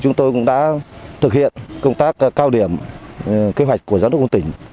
chúng tôi cũng đã thực hiện công tác cao điểm kế hoạch của giám đốc quân tỉnh